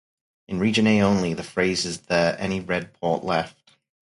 In Region A only, the phrase Is there any red port left?